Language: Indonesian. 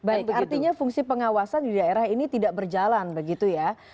baik artinya fungsi pengawasan di daerah ini tidak berjalan begitu ya